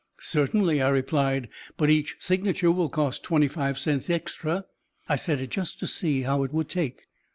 "Certainly," I replied, "but each signature will cost twenty five cents extra." I said it, just to see how it would take.